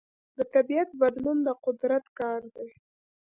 د طبیعت بدلون د قدرت کار دی.